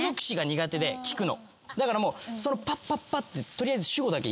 だからもうパッパッパッて取りあえず。